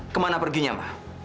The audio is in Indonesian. kemana perginya ma